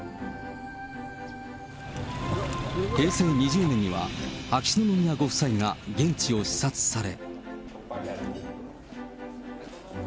平成２０年には秋篠宮ご夫妻が現地を視察され。